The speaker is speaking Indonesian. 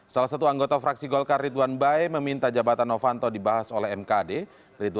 salah satu anggota fraksi golkar ridwan bae meminta jabatan novanto dibahas oleh mkd